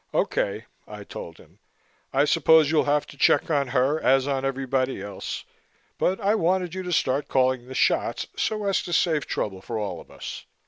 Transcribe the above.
"Okay," I told him. "I suppose you'll have to check on her as on everybody else but I wanted you to start calling the shots so as to save trouble for all of us.